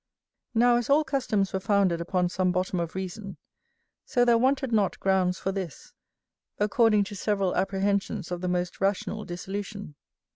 Now as all customs were founded upon some bottom of reason, so there wanted not grounds for this; according to several apprehensions of the most rational dissolution.